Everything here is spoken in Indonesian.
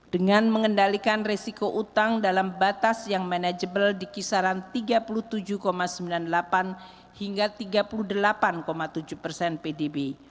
dengan mengendalikan resiko utang dalam batas yang manajeble di kisaran tiga puluh tujuh sembilan puluh delapan hingga tiga puluh delapan tujuh persen pdb